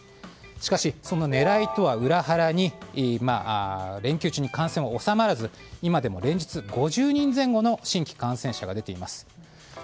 しかし、その狙いとは裏腹に連休中に感染は収まらず今でも連日５０人前後の新規感染者が出ています。